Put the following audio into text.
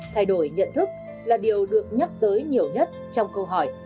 thay đổi nhận thức là điều được nhắc tới nhiều nhất trong câu hỏi